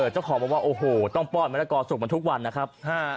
เจ้าของบอกว่าโอ้โหต้องป้อนมะละกอสุกมาทุกวันนะครับ